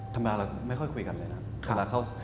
ธรรมดาเราไม่ค่อยคุยกันเลยนะ